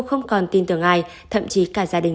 không còn tin tưởng ai thậm chí cả gia đình